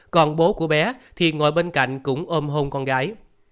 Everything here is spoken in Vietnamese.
còn bố của bé thì ngồi bên cạnh cũng ôm hôn con gái